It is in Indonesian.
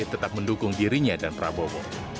tetap mendukung dirinya dan prabowo